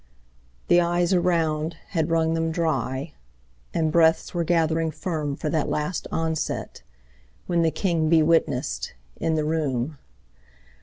The eyes beside had wrung them dry, And breaths were gathering sure For that last onset, when the king Be witnessed in his power.